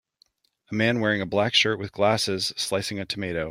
A man wearing a black shirt with glasses slicing a tomato.